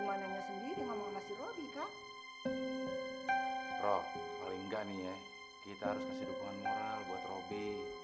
bro paling nggak nih ya kita harus kasih dukungan moral buat robi